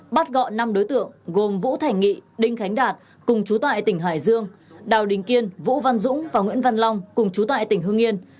bắt gọn năm đối tượng gồm vũ thành nghị đinh khánh đạt cùng chú tại tỉnh hải dương đào đình kiên vũ văn dũng và nguyễn văn long cùng chú tại tỉnh hương yên